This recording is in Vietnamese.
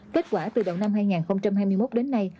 kết quả từ đầu năm hai nghìn hai mươi một đến nay